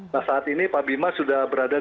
nah saat ini pak bima sudah berada